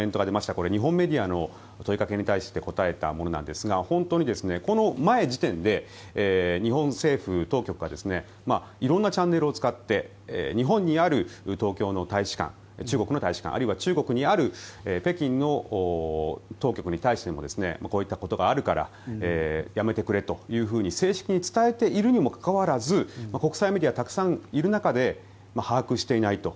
これは日本メディアの問いかけに対して答えたものですがこの前の時点で日本政府当局が色んなチャンネルを使って日本にある東京の大使館中国の大使館あるいは中国にある北京の当局に対してもこういったことがあるからやめてくれというふうに正式に伝えているにもかかわらず国際メディア、たくさんいる中で把握していないと。